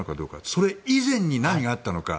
それ以前に何があったのか。